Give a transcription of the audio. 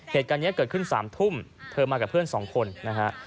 เหตุการณ์นี้เกิดขึ้น๓ทุ่มเธอมากับเพื่อนสองคนนะฮะ